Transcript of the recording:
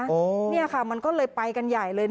นี่ค่ะมันก็เลยไปกันใหญ่เลย